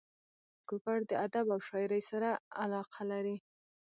کاکړ د ادب او شاعرۍ سره علاقه لري.